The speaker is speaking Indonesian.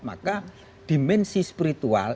maka dimensi spiritual